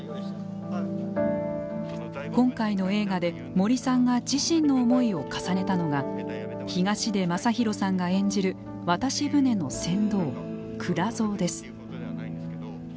今回の映画で、森さんが自身の思いを重ねたのが東出昌大さんが演じる渡し船の船頭・倉蔵です。